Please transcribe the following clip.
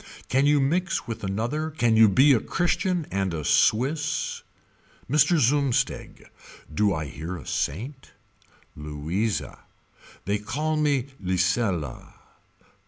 Can you mix with another Can you be a Christian and a Swiss. Mr. Zumsteg. Do I hear a saint. Louisa. They call me Lisela.